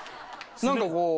何かこう。